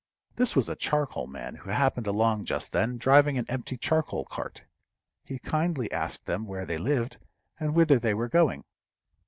This was a charcoal man who happened along just then, driving an empty charcoal cart. He kindly asked them where they lived, and whither they were going.